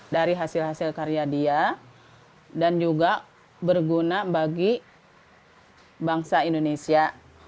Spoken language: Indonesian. dari hasil hasil karya dia dan juga berguna bagi bangsa indonesia